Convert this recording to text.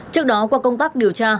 trước đó qua công tác điều trị